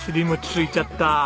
ついちゃった！